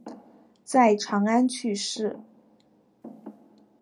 在长安去世。